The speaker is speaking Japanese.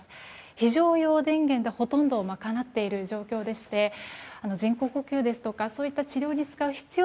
非常用電源でほとんど賄っている状況でして人工呼吸ですとか、そういった治療に使う必要